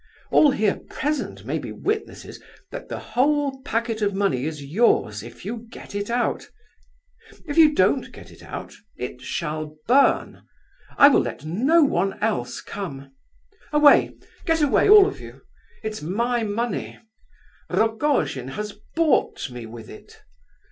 All here present may be witnesses that the whole packet of money is yours if you get it out. If you don't get it out, it shall burn. I will let no one else come; away—get away, all of you—it's my money! Rogojin has bought me with it.